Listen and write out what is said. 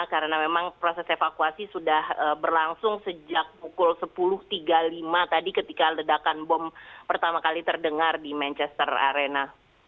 karena memang proses evakuasi sudah berlangsung sejak pukul sepuluh tiga puluh lima tadi ketika ledakan bom pertama kali terdengar di manchester arena